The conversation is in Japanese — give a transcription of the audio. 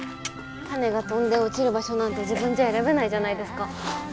種が飛んで落ちる場所なんて自分じゃ選べないじゃないですか。